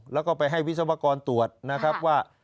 แล้วก็ไปให้วิศวกรตรวจนะครับว่า